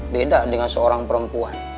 beda dengan seorang perempuan